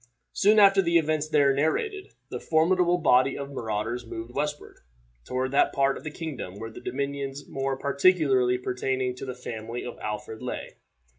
Soon after the events there narrated, this formidable body of marauders moved westward, toward that part of the kingdom where the dominions more particularly pertaining to the family of Alfred lay.